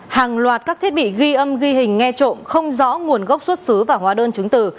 hàng loạt các thiết bị ghi âm ghi hình nghe trộm không rõ nguồn gốc xuất xứ và hóa đơn chứng từ